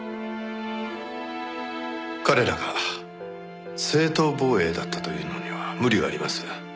彼らが正当防衛だったというのには無理があります。